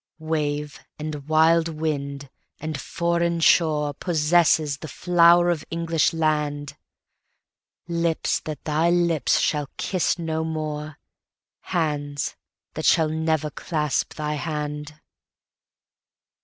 Wave and wild wind and foreign shorePossess the flower of English land—Lips that thy lips shall kiss no more, Hands that shall never clasp thy hand.